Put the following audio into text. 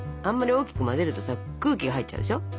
あんまり大きく混ぜるとさ空気が入っちゃうでしょ？